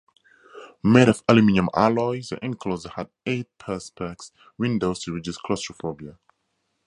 Made of aluminium alloy, the enclosure had eight perspex windows to reduce claustrophobia.